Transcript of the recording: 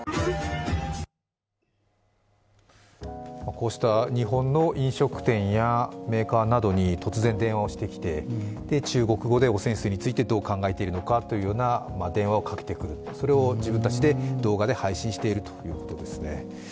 こうした日本の飲食店やメーカーなどに突然電話をしてきて、中国語で汚染水についてどう考えているのかというような電話をかけてくる、それを自分たちで動画で配信しているということですね。